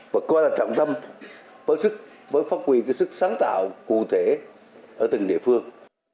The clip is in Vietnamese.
và coi là trọng tâm với phát quyền cái sức sáng tạo cụ thể ở từng địa phương